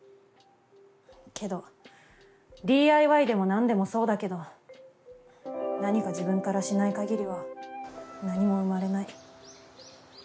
けどＤＩＹでもなんでもそうだけど何か自分からしないかぎりは何も生まれない。